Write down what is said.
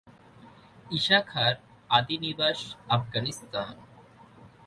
ঈশা খাঁর আদি নিবাস আফগানিস্তান।